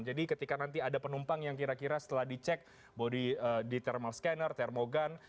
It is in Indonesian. jadi ketika nanti ada penumpang yang kira kira setelah dicek di thermal scanner termogun